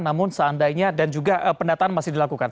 namun seandainya dan juga pendataan masih dilakukan